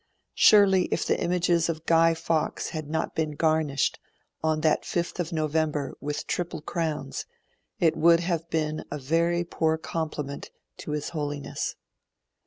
Surely, if the images of Guy Fawkes had not been garnished, on that fifth of November, with triple crowns, it would have been a very poor compliment to His Holiness.